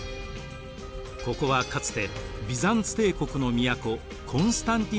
ここはかつてビザンツ帝国の都コンスタンティノープルでした。